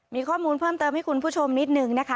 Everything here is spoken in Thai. มีข้อมูลเพิ่มเติมให้คุณผู้ชมนิดนึงนะคะ